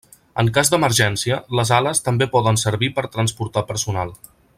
En cas d'emergència, les ales també poden servir per transportar personal.